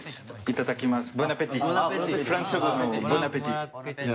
いただきます。